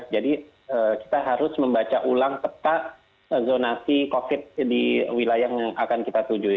jadi kita harus membaca ulang peta zonasi covid di wilayah yang akan kita tujui